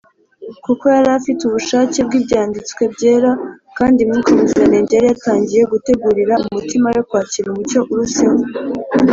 kuko yari afite ubushake bw’Ibyanditswe Byera, kandi Mwuka Muziranenge yari yatangiye gutegurira umutima we kwakira umucyo uruseho